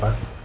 lalu ya pak